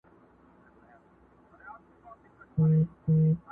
انتقام اخیستل نه بخښل یې شرط دی،